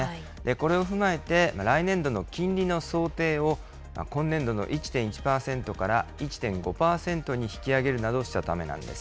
これを踏まえて、来年度の金利の想定を今年度の１．１％から１．５％に引き上げるなどしたためなんです。